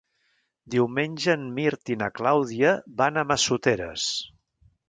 Diumenge en Mirt i na Clàudia van a Massoteres.